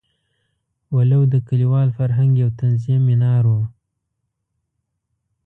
ولو د کلیوال فرهنګ یو طنزیه منار وو.